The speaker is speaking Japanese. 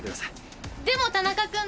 でも田中君。